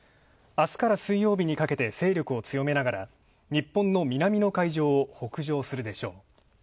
あすから水曜日にかけて勢力を強めながら、日本の南の海上を北上するでしょう。